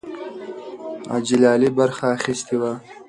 حاجي لالی برخه اخیستې وه.